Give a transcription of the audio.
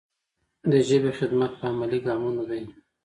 د ژبې خدمت په عملي ګامونو دی.